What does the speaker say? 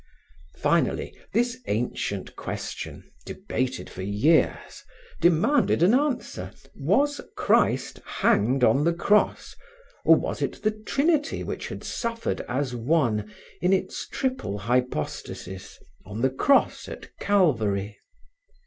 Finally, this ancient question, debated for years, demanded an answer: was Christ hanged on the cross, or was it the Trinity which had suffered as one in its triple hypostasis, on the cross at Calvary?